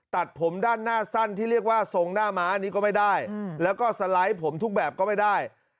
ตัดผมด้านหน้าสั้นที่เรียกว่าทรงหน้าม้าอันนี้ก็ไม่ได้แล้วก็สไลด์ผมทุกแบบก็ไม่ได้